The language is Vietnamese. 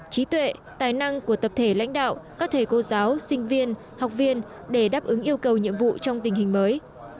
trí tuệ tài năng của tập thể lãnh đạo các thầy cô giáo sinh viên học viên để đáp ứng yêu cầu nhiệm vụ trong tình hình mới